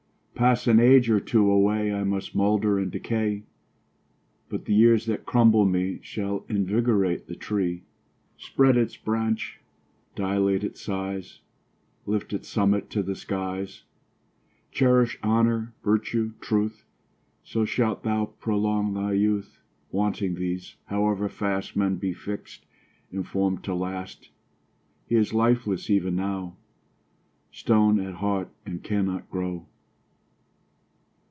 Pass an age or two away, I must moulder and decay, But the years that crumble me Shall invigorate the tree, Spread its branch, dilate its size, Lift its summit to the skies. Cherish honour, virtue, truth, So shalt thou prolong thy youth. Wanting these, however fast Man be fix'd and form'd to last, He is lifeless even now, Stone at heart, and cannot grow.